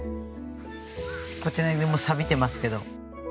こちらでもさびてますけど。